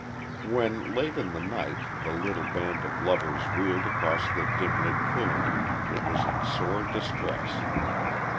When, late in the night, the little band of lovers reeled across the dimlit clearing, it was in sore distress.